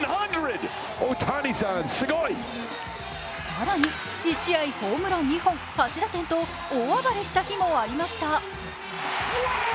更に１試合ホームラン２本８打点と大暴れした日もありました。